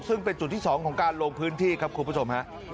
ซึ่งเป็นจุดที่๒ของการลงพื้นที่ครับคุณผู้ชมฮะ